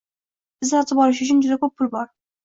- Bizda sotib olish uchun juda ko'p pul bor